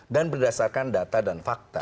dan berdasarkan data dan fakta